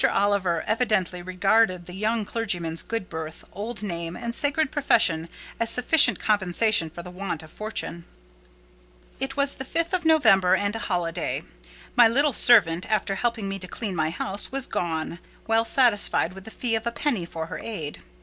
Oliver evidently regarded the young clergyman's good birth, old name, and sacred profession as sufficient compensation for the want of fortune. It was the 5th of November, and a holiday. My little servant, after helping me to clean my house, was gone, well satisfied with the fee of a penny for her aid.